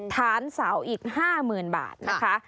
ฐานเสาอีก๕๐๐๐บาทนะคะ